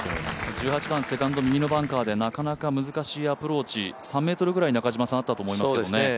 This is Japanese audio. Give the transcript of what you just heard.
１８番セカンド右のバンカーでなかなか難しいアプローチ３ｍぐらいあったと思いますけどね。